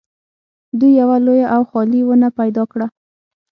دوی یوه لویه او خالي ونه پیدا کړه